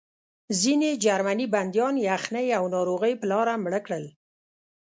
ځینې جرمني بندیان یخنۍ او ناروغۍ په لاره مړه کړل